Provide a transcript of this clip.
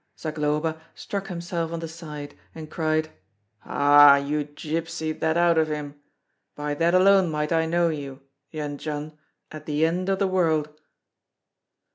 Zagloba struck himself on the side and cried: "Ah, you gypsied that out of him! By that alone might I know you, Jendzian, at the end of the world!"